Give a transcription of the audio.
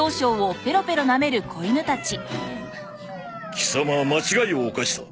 キサマは間違いを犯した。